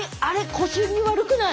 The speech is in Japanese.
腰に悪くない？